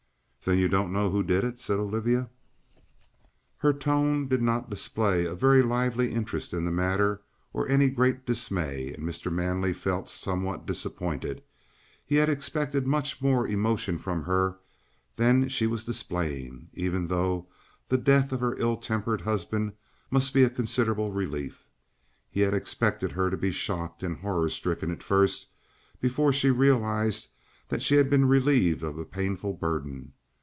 "Then you don't know who did it?" said Olivia. Her tone did not display a very lively interest in the matter or any great dismay, and Mr. Manley felt somewhat disappointed. He had expected much more emotion from her than she was displaying, even though the death of her ill tempered husband must be a considerable relief. He had expected her to be shocked and horror stricken at first, before she realized that she had been relieved of a painful burden.